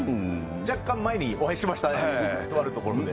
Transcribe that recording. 若干前にお会いしましたね、とある所で。